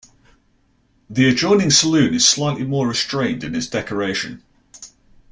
The adjoining saloon is slightly more restrained in its decoration.